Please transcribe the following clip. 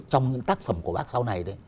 trong những tác phẩm của bác sau này